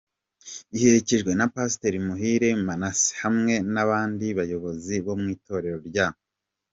iherekejwe na Pasteur Muhire Manasse hamwe nabandi bayobozi bo mu itorero rya.